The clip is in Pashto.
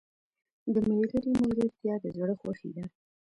• د ملګري ملګرتیا د زړه خوښي ده.